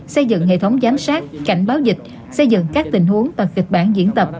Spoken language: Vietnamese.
xây dựng hệ thống giám sát cảnh báo dịch xây dựng các tình huống và kịch bản diễn tập